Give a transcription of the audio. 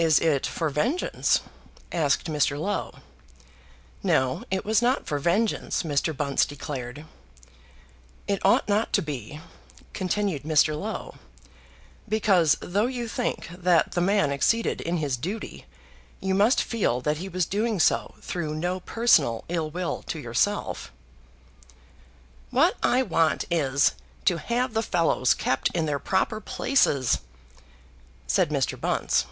"Is it for vengeance?" asked Mr. Low. No; it was not for vengeance, Mr. Bunce declared. "It ought not to be," continued Mr. Low; "because, though you think that the man exceeded in his duty, you must feel that he was doing so through no personal ill will to yourself." "What I want is, to have the fellows kept in their proper places," said Mr. Bunce.